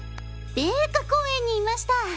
米花公園にいました。